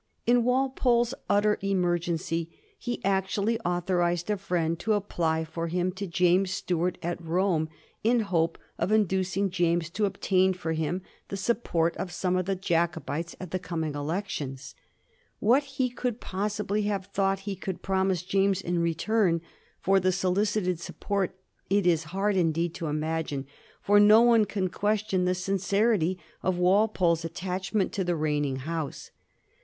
In Walpole's utter emergency he actually authorized a friend to apply for him to James Stuart at Rome, in the hope of inducing James to obtain for him the support of some of the Jacobites at the com ing elections. What he could possibly have thought he could promise James in return for the solicited support it is hard, indeed, to imagine ; for no one can question the sincerity of Walpole's attachment to the reigning House.